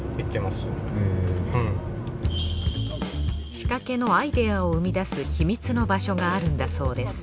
仕掛けのアイディアを生み出す秘密の場所があるんだそうです